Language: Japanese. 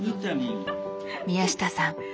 宮下さん